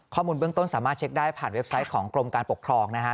ข้อมูลเบื้องต้นสามารถเช็คได้ผ่านเว็บไซต์ของกรมการปกครองนะฮะ